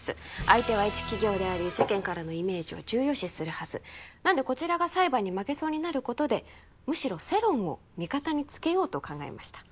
相手は一企業であり世間からのイメージを重要視するはずなんでこちらが裁判に負けそうになることでむしろ世論を味方につけようと考えました